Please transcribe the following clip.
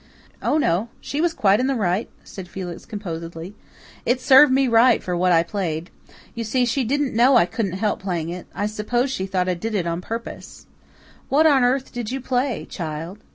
"Oh, no, she was quite in the right," said Felix composedly. "It served me right for what I played. You see, she didn't know I couldn't help playing it. I suppose she thought I did it on purpose." "What on earth did you play, child?"